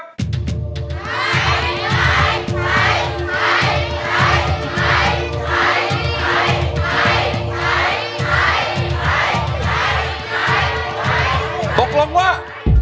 บอกลงว่า